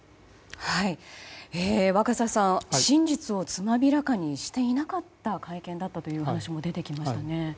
若狭さん、真実をつまびらかにしていなかった会見だったという話も出てきましたよね。